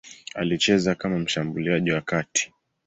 Alicheza kama mshambuliaji wa kati.